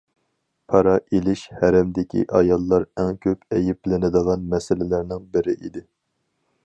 پارا ئېلىش، ھەرەمدىكى ئاياللار ئەڭ كۆپ ئەيىبلىنىدىغان مەسىلىلەرنىڭ بىرى ئىدى.